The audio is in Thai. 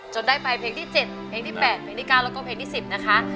ได้ไปเพลงที่๗เพลงที่๘เพลงที่๙แล้วก็เพลงที่๑๐นะคะ